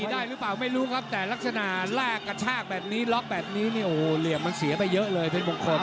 ตีได้หรือเปล่าไม่รู้ครับแต่ลักษณะแรกกระชากแบบนี้ล็อกแบบนี้โอ้โหเหลี่ยมรักที่เหลือไปเยอะเลยถ้าเจานางเพชรมงคล